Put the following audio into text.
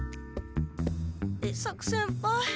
伊作先輩。